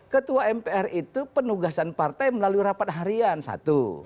ketua mpr itu penugasan partai melalui rapat harian satu